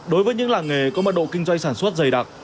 đối với những làng nghề có mật độ kinh doanh sản xuất dày đặc